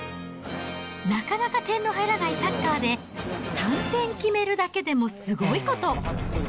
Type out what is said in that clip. なかなか点の入らないサッカーで、３点決めるだけでもすごいこと。